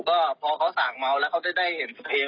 ก็พอเขาสั่งเมาแล้วเขาจะได้เห็นตัวเอง